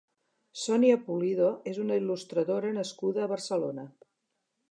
Sonia Pulido és una il·lustradora nascuda a Barcelona.